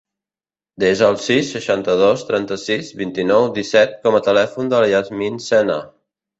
Desa el sis, seixanta-dos, trenta-sis, vint-i-nou, disset com a telèfon de la Yasmin Sene.